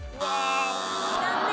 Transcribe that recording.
残念。